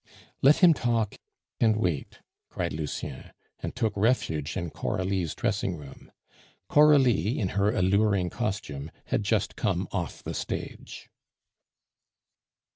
"Let him talk, and wait," cried Lucien, and took refuge in Coralie's dressing room. Coralie, in her alluring costume, had just come off the stage.